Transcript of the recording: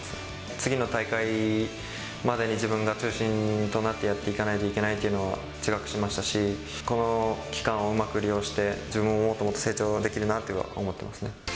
次の大会までに自分が中心となってやっていかないといけないというのは自覚しましたし、この期間をうまく利用して、自分をもっともっと成長できるなと思ってますね。